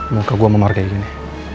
muka gue memaruhi kayak gini